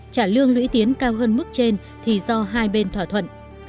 trả lương lũy tiến cao hơn mức trên thì do hai bên thỏa thuận